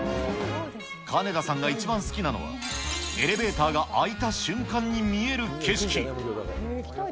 かねださんが一番好きなのは、エレベーターが開いた瞬間に見える景色。